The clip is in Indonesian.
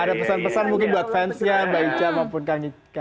ada pesan pesan mungkin buat fansnya mbak ica maupun kang ika